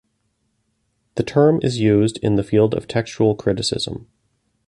The term is used in the field of textual criticism.